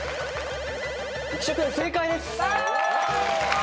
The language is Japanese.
浮所君正解です。